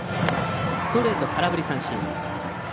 ストレート、空振り三振。